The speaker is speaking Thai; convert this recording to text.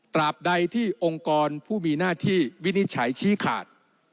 บใดที่องค์กรผู้มีหน้าที่วินิจฉัยชี้ขาด